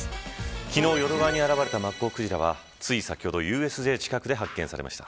昨日淀川に現れたマッコウクジラはつい先ほどＵＳＪ近くで発見されました。